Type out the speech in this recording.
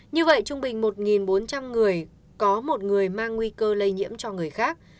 như vậy trung bình một bốn trăm linh người có một người mang nguy cơ lây nhiễm cho người khác